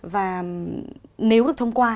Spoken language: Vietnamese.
và nếu được thông qua